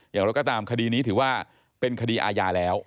อย่างไรก็ตามคดีนี้ถือว่าเป็นคดีอาญาแล้ว